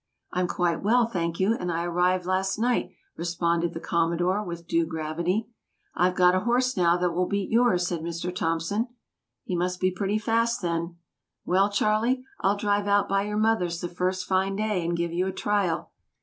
"I'm quite well, thank you, and I arrived last night," responded the Commodore, with due gravity. "I've got a horse now that will beat yours," said Mr. Thompson. "He must be pretty fast, then." "Well, Charley, I'll drive out by your mother's the first fine day, and give you a trial."